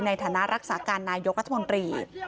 ในฐานะรักษาการนายกรัฐมนตรี